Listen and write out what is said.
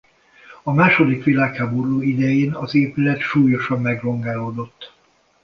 A második világháború idején az épület súlyosan megrongálódott.